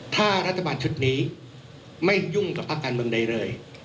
ถ้ารัฐบาลชุดนี้ไม่ยุ่งกับภาคการเมืองใดเลย